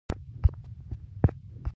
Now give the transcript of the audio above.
غول د بدن په رازونو ډک دی.